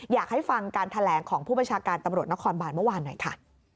อยากให้ฟังการแถลงของผู้บัญชาการตำรวจนครบานเมื่อวานหน่อยค่ะ